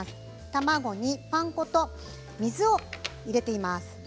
卵にパン粉と水を入れています。